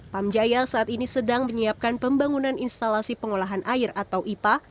pamjaya saat ini sedang menyiapkan pembangunan instalasi pengolahan air atau ipa